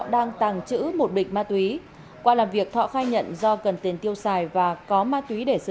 đang tàng trữ một bịch ma túy qua làm việc thọ khai nhận do cần tiền tiêu xài và có ma túy để sử